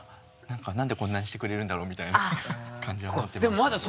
何でこんなにしてくれるんだろうみたいな感じは持ってました。